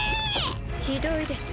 ひどいです